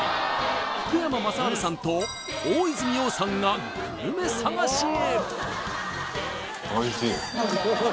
福山雅治さんと大泉洋さんがグルメ探しへ！